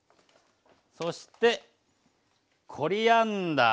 そしてコリアンダー。